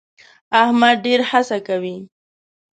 احمد ډېر هڅه کوي.